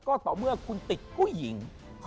ก็ต่อเมื่อคุณติดผู้หญิง